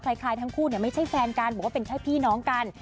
คล้ายทั้งคู่ไม่ใช่แฟนกันแต่เป็นพี่น้องกัน